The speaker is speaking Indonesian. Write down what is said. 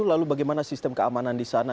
lalu bagaimana sistem keamanan di sana